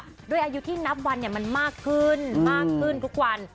ด้วยอายุที่นับวันเนี่ยมันมากขึ้นมากขึ้นทุกวัน